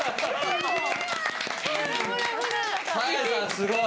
すごい。